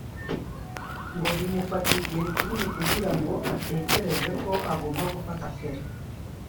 ngo bimufata igihe kinini kugira ngo atekereze ko agomba gufata feri